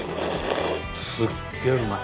すっげえうまい。